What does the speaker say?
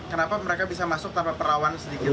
kenapa mereka bisa masuk tanpa perlawanan sedikitpun